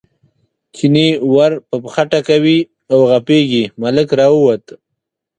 چیني ور په پښه ټکوي او غپېږي، ملک راووت.